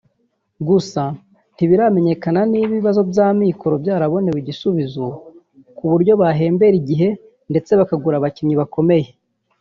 Gusa ntiharamenyekana niba ibibazo by’amikoro byarabonewe igisubizo ku buryo bahembera igihe ndetse bakagura abakinnyi bakomeye